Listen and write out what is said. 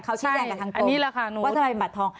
เขาชี้แจงกันทั้งตรงว่าทำไมเป็นบัตรทอง